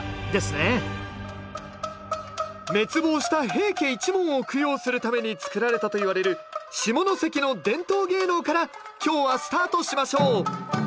滅亡した平家一門を供養するために作られたといわれる下関の伝統芸能から今日はスタートしましょう。